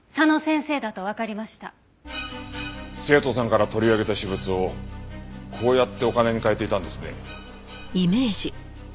生徒さんから取り上げた私物をこうやってお金に換えていたんですね？